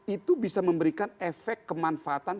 itu bisa memberikan efek kemanfaatan